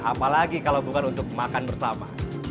apalagi kalau bukan untuk makan bersama